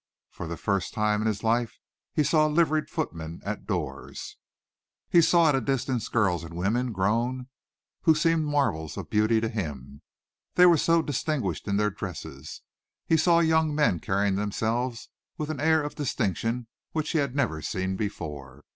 For the first time in his life he saw liveried footmen at doors: he saw at a distance girls and women grown who seemed marvels of beauty to him they were so distinguished in their dress; he saw young men carrying themselves with an air of distinction which he had never seen before.